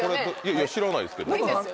いや知らないですけど。